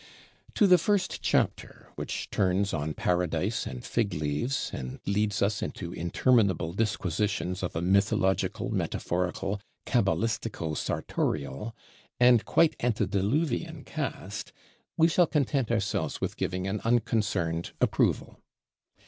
To the First Chapter, which turns on Paradise and Fig leaves, and leads us into interminable disquisitions of a mythological, metaphorical, cabalistico sartorial, and quite antediluvian cast, we shall content ourselves with giving an unconcerned approval.